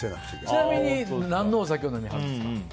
ちなみに、何のお酒をお飲みになるんですか？